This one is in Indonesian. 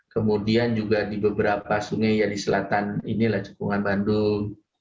kemudian juga di beberapa sungai yang di selatan inilah cekungan bandung